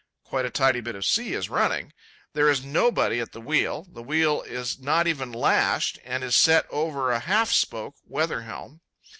Quite a tidy bit of sea is running. There is nobody at the wheel, the wheel is not even lashed and is set over a half spoke weather helm.